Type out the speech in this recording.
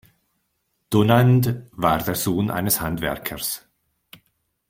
Donandt war der Sohn eines Handwerkers.